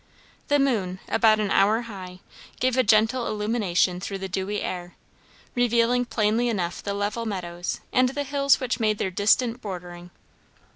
The moon, about an hour high, gave a gentle illumination through the dewy air, revealing plainly enough the level meadows, and the hills which made their distant bordering.